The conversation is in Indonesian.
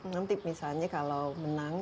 nanti misalnya kalau menang